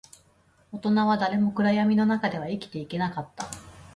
大人は誰も暗闇の中では生きていけなかった